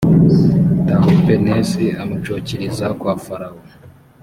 tahupenesi amucukiriza kwa farawo